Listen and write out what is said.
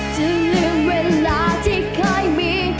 จะลืมเวลาที่ค่อยมี